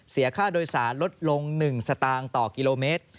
เสียค่าโดยสารลดลง๑สตางค์ต่อกิโลเมตร